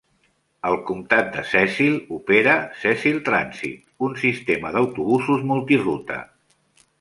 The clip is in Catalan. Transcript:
El comtat de Cecil opera Cecil Transit, un sistema d'autobusos multi-ruta.